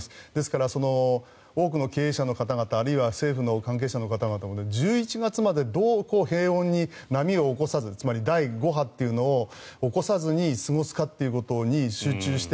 なので、多くの経営者の方々あるいは政府の関係者の方々も１１月まで、どう平穏に波を起こさずつまり第５波というのを起こさずに過ごすかということに集中して。